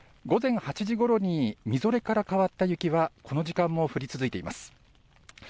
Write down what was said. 午前８時ごろにみぞれから変わった雪はこの時間も降り続いています。